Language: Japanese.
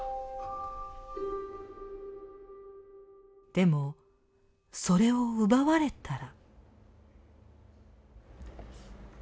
でもそれを奪われたら。